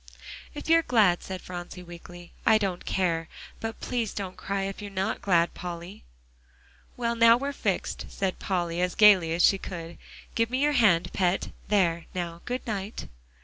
"If you're glad," said Phronsie weakly, "I don't care. But please don't cry if you are not glad, Polly." "Well, now we're fixed," said Polly as gaily as she could. "Give me your hand, Pet. There, now, good night."